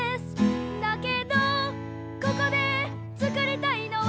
「だけどここで作りたいのは」